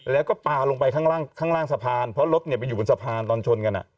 แล้วก็ปลาลงไปข้างล่างสะพานเพราะรถไปอยู่บนสะพานตอนชนกัน